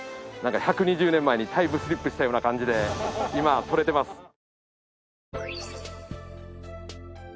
なんか１２０年前にタイムスリップしたような感じで今撮れてます。